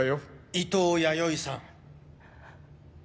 伊東弥生さん。